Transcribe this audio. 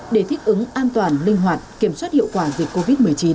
để thích ứng an toàn linh hoạt kiểm soát hiệu quả dịch covid một mươi chín